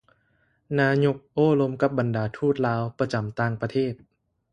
ນາຍົກ ໂອ້ລົມກັບບັນດາທູດລາວ ປະຈຳຕ່າງປະເທດ